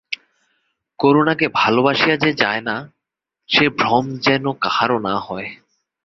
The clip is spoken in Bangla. করুণাকে ভালোবাসিয়া যে যায় না, সে ভ্রম যেন কাহারো না হয়।